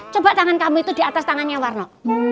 coba tangan kamu itu di atas tangannya warna